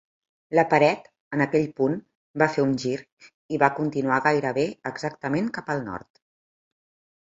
La paret, en aquell punt, va fer un gir i va continuar gairebé exactament cap al nord.